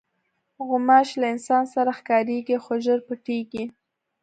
غوماشې له انسان سره ښکارېږي، خو ژر پټېږي.